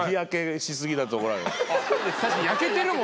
確かに焼けてるもんな